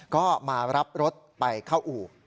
ก็มารับรถไปเข้าอู่